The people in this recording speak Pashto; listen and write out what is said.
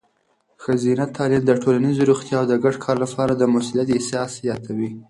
ښځینه تعلیم د ټولنیزې روڼتیا او د ګډ کار لپاره د مسؤلیت احساس زیاتوي.